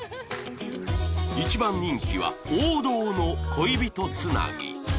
一番人気は王道の恋人つなぎ